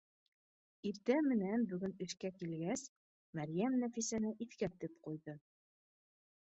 Иртә менән бөгөн эшкә килгәс, Мәрйәм Нәфисәне иҫ кәртеп ҡуйҙы: